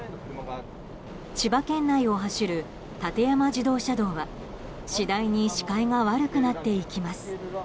千葉県内を走る館山自動車道は次第に視界が悪くなっていきます。